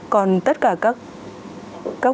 còn tất cả các